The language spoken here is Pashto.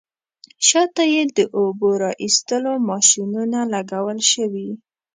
شاته یې د اوبو را ایستلو ماشینونه لګول شوي.